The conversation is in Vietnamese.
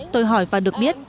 tôi hỏi và được biết